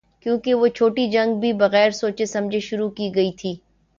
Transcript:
کیونکہ وہ چھوٹی جنگ بھی بغیر سوچے سمجھے شروع کی گئی تھی۔